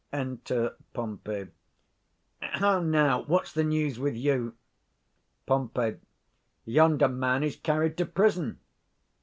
80 Enter POMPEY. How now! what's the news with you? Pom. Yonder man is carried to prison.